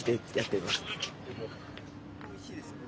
おいしいですもんね。